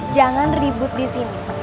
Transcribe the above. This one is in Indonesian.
jangan ribut disini